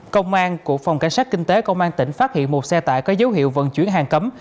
công an của phòng cảnh sát kinh tế công an tỉnh phát hiện một xe tải có dấu hiệu vận chuyển hàng cấm